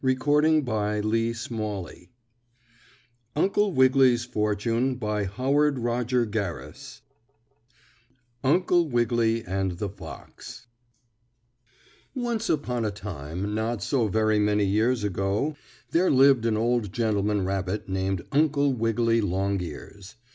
F. FENNO & COMPANY UNCLE WIGGILY'S FORTUNE STORY I UNCLE WIGGILY AND THE FOX Once upon a time, not so very many years ago, there lived an old gentleman rabbit named Uncle Wiggily Longears.